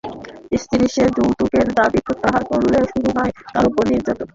স্ত্রী সেই যৌতুকের দাবি প্রত্যাখ্যান করলে শুরু হয় তাঁর ওপর নির্যাতন।